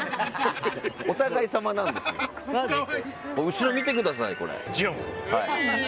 後ろ見てください。